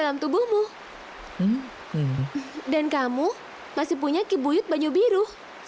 lepaskan kibuyut banyu biru